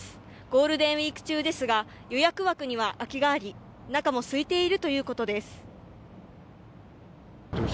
ゴールデンウィーク中ですが予約枠には空きがあり中もすいているということです。